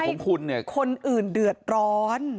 ใช่ไงมันทำให้คนอื่นเดือดร้อน